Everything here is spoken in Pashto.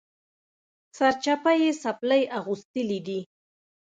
سرچپه یې څپلۍ اغوستلي دي